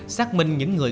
xác minh những người